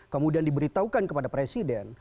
kemudian diberitahukan kepada presiden